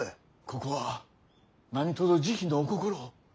ここは何とぞ慈悲のお心を。